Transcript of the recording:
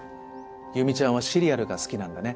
優実ちゃんはシリアルが好きなんだね。